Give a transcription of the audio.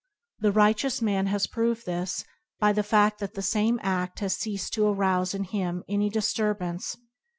The righteous man has proved this by the fad: that the same a& has ceased to arouse in him any disturbance.